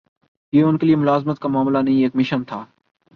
یہ ان کے لیے ملازمت کا معاملہ نہیں، ایک مشن تھا۔